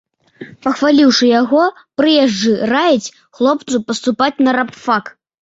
Пахваліўшы яго, прыезджы раіць хлопцу паступаць на рабфак.